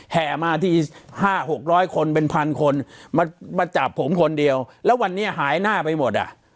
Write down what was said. แห่มาที่๕๖๐๐คนเป็นพันคนมาจับผมคนเดียวแล้ววันนี้หายหน้าไปหมดอ่ะ